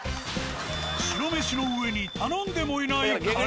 白飯の上に頼んでもいないカレー。